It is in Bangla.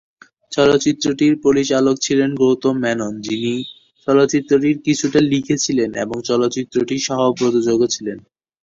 চলচ্চিত্রটির পরিচালক ছিলেন গৌতম মেনন, যিনি চলচ্চিত্রটির কাহিনী কিছুটা লিখেছিলেন এবং চলচ্চিত্রটির সহ-প্রযোজকও ছিলেন।